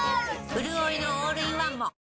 うるおいのオールインワンも！